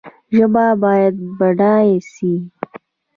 ژبه باید بډایه سي